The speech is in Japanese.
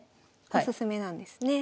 おすすめなんですね。